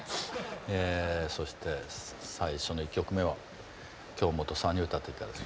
そして最初の１曲目は京本さんに歌って頂きます。